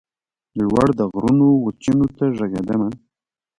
لوړ د غرونو وچېنو ته ږغېدمه